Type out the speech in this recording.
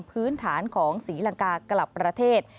พื้นฐานของศรีลังกากลับประเทศ